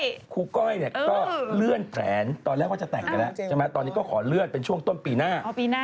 คุณครูก้อยเลื่อนแพงตอนแรกว่าจะแต่งกันแล้วตอนนี้ก็เขาเลื่อนเป็นช่วงต้นปีหน้า